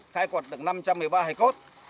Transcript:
khai quật được năm trăm một mươi ba hải cốt